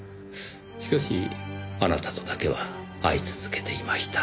しかしあなたとだけは会い続けていました。